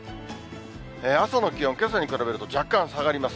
朝の気温、けさに比べると若干下がります。